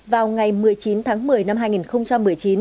vào ngày một mươi chín tháng một mươi năm hai nghìn một mươi chín